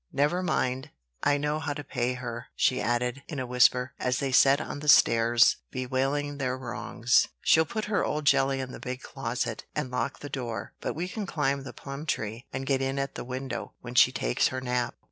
"Never mind: I know how to pay her," she added, in a whisper, as they sat on the stairs bewailing their wrongs. "She'll put her old jelly in the big closet, and lock the door; but we can climb the plum tree, and get in at the window, when she takes her nap."